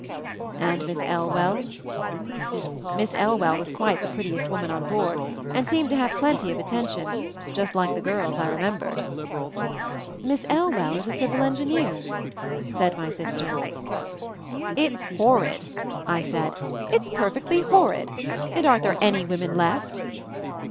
"And Miss Elwell?" Miss Elwell was quite the prettiest wo man on board, and seemed to have plenty of attention — just like the girls I remembered. "Miss Elwell is a civil engineer," said my sister. "It's horrid," I said. "It's perfectly hor rid! And aren't there any women left?"